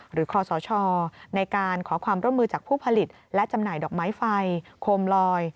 คอสชในการขอความร่วมมือจากผู้ผลิตและจำหน่ายดอกไม้ไฟโคมลอย